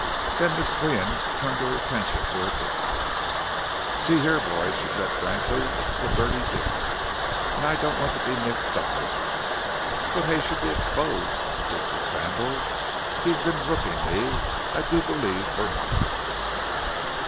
Then Miss Qian turned her attention to her guests: "See here, boys," she said frankly, "this is a dirty business, and I don't want to be mixed up with it." "But Hay should be exposed," insisted Sandal; "he's been rooking me, I do believe, for months."